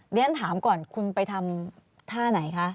และฉะนั้นถามก่อนคุณไปทำท่าไหนคะ